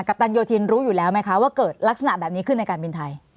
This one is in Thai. ปตันโยธินรู้อยู่แล้วไหมคะว่าเกิดลักษณะแบบนี้ขึ้นในการบินไทย